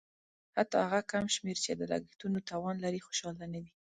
حتی هغه کم شمېر چې د لګښتونو توان لري خوشاله نه وي.